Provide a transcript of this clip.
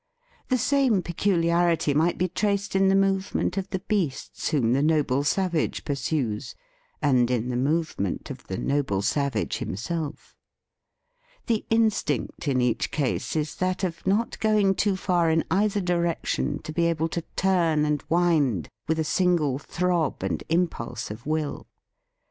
The same peculiarity might be traced in the movement of the beasts whom the noble savage pursues, and in the movement of the noble savage himself. The instinct in each case is that of not going too far in either direction to be able to turn and wind with a single throb and impulse of will.